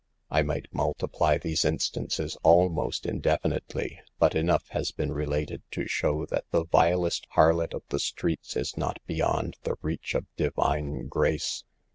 I might multiply these instances almost in definitely, but * enough has been related to show that the vilest harlot of the streets is not beyond the reach of Divine Grace.